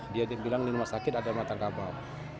dia bilang di rumah sakit ada rumah tangkabau